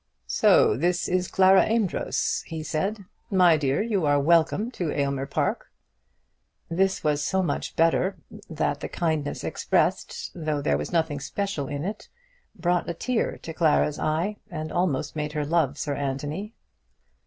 "So this is Clara Amedroz," he said. "My dear, you are welcome to Aylmer Park." This was so much better, that the kindness expressed, though there was nothing special in it, brought a tear into Clara's eye, and almost made her love Sir Anthony.